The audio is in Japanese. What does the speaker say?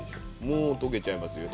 もう溶けちゃいますよ。